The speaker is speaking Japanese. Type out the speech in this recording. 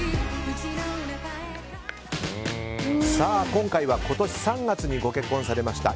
今回は今年３月に結婚されました